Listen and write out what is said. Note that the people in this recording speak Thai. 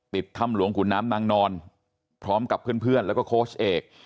ถ้ำหลวงขุนน้ำนางนอนพร้อมกับเพื่อนแล้วก็โค้ชเอก